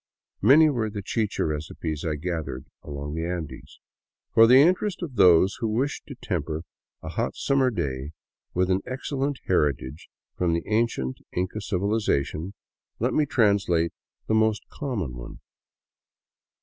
Many were the chicha recipes I gathered along the Andes. For the interest of those who wish to temper a hot summer day with an ex cellent heritage from the ancient Inca civilization, let me translate the most common one.